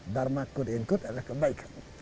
dharma kud in kud adalah kebaikan